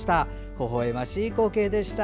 ほほ笑ましい光景でした。